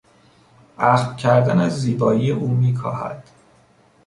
اخم کردن از زیبایی او میکاهد.